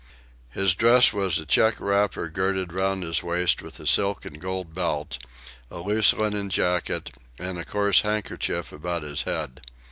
His dress was a check wrapper girded round his waist with a silk and gold belt, a loose linen jacket, and a coarse handkerchief about his head.